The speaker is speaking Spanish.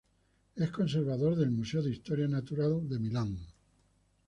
Es conservador del Museo de Historia Natural de Milán.